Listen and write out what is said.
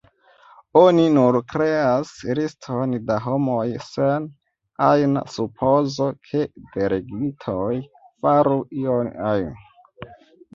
Oni nur kreas liston da homoj sen ajna supozo, ke delegitoj faru ion ajn.